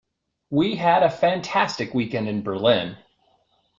We had a fantastic weekend in Berlin.